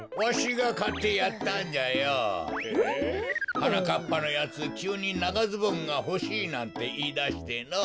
はなかっぱのやつきゅうにながズボンがほしいなんていいだしてのぉ。